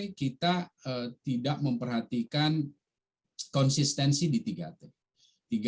tapi kita tidak memperhatikan konsistensi di tiga t